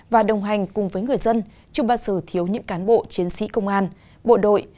và đồng hành cùng với người dân chưa bao giờ thiếu những cán bộ chiến sĩ công an bộ đội